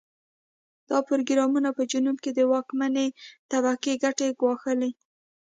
دا پروګرامونه په جنوب کې د واکمنې طبقې ګټې ګواښلې.